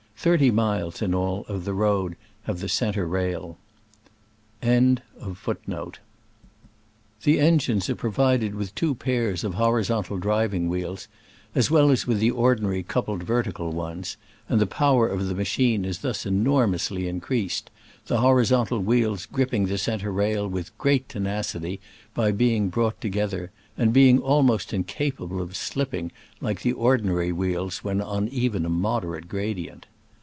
Thirty miles, in all, of the road have the centre rail. Digitized by Google 32 SCRAMBLES AMONGST THE ALPS IN 1860 69. of horizontal driving wheels, as well as with the ordinary coupled vertical ones, and the power of the ma chine is thus enormously increased, the horizontal wheels gripping the centre rail with great tenacity by being brought together, and being almost incapable of slipping like the ordinary wheels when on even a mod erate gradient.